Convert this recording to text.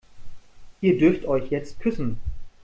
Ihr dürft euch jetzt küssen.